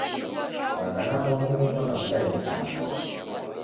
W'aka na w'omi w'efwana w'ikaie karakara.